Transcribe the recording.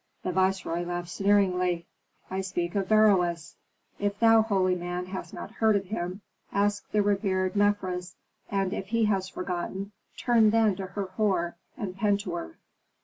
The viceroy laughed sneeringly. "I speak of Beroes. If thou, holy man, hast not heard of him, ask the revered Mefres, and if he has forgotten turn then to Herhor and Pentuer."